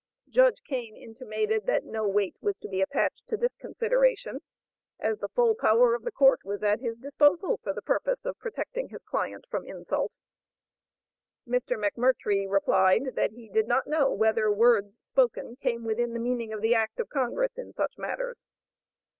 Judge Kane intimated that no weight was to be attached to this consideration, as the full power of the court was at his disposal for the purpose of protecting his client from insult. Mr. McMurtrie replied that he did not know whether words spoken came within the meaning of the act of Congress, in such matters.